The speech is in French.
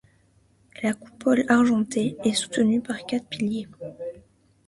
La coupole argentée est soutenue par quatre piliers.